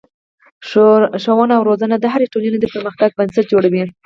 ښوونه او روزنه د هرې ټولنې د پرمختګ بنسټ جوړوي.